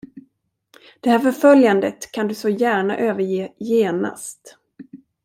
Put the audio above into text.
Det här förföljandet kan du så gärna överge genast.